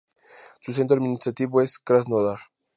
Su centro administrativo es Krasnodar.